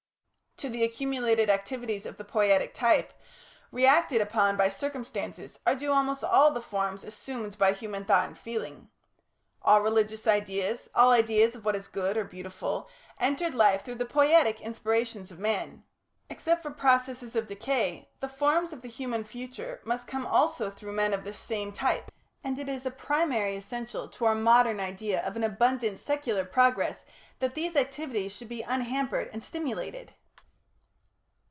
To the accumulated activities of the Poietic type, reacted upon by circumstances, are due almost all the forms assumed by human thought and feeling. All religious ideas, all ideas of what is good or beautiful, entered life through the poietic inspirations of man. Except for processes of decay, the forms of the human future must come also through men of this same type, and it is a primary essential to our modern idea of an abundant secular progress that these activities should be unhampered and stimulated.